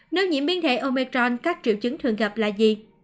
nếu nhiễm biên thể omicron các triệu chứng thường gặp là gì